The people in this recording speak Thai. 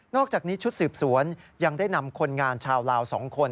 อกจากนี้ชุดสืบสวนยังได้นำคนงานชาวลาว๒คน